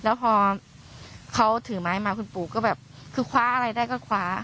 แล้วพอเขาถือไม้มาคุณปู่ก็แบบคือคว้าอะไรได้ก็คว้า